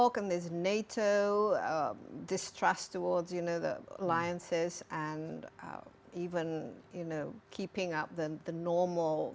karena proyek atau eksperimen itu belum lama